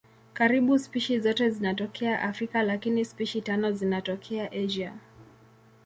Karibu spishi zote zinatokea Afrika lakini spishi tano zinatokea Asia.